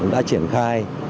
đã triển khai